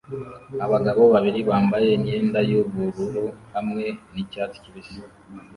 Abagabo babiri bambaye imyenda yubururu hamwe nicyatsi kibisi